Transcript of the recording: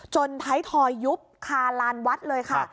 ท้ายทอยยุบคาลานวัดเลยค่ะ